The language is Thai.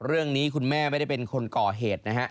เรื่องนี้คุณแม่ไม่ได้เป็นคนก่อเหตุนะฮะ